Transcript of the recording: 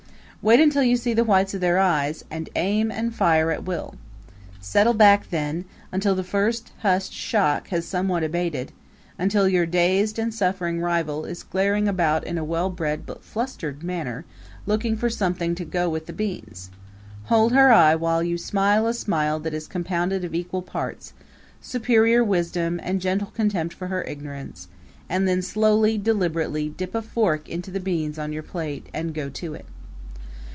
Wait until you see the whites of their eyes, and aim and fire at will. Settle back then, until the first hushed shock has somewhat abated until your dazed and suffering rival is glaring about in a well bred but flustered manner, looking for something to go with the beans. Hold her eye while you smile a smile that is compounded of equal parts superior wisdom, and gentle contempt for her ignorance and then slowly, deliberately, dip a fork into the beans on your plate and go to it.